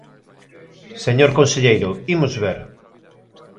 Señor conselleiro, imos ver.